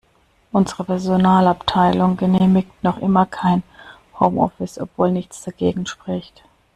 Unsere Personalabteilung genehmigt noch immer kein Home-Office, obwohl nichts dagegen spricht.